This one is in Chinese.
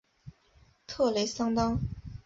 特雷桑当。